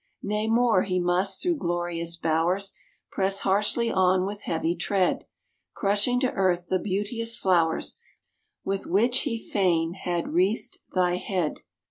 Nay, more! he must, through glorious bowers, Press harshly on, with heavy tread, Crushing to earth the beauteous flowers With which he fain had wreathed thy head."